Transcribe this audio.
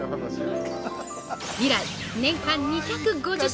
以来、年間２５０食。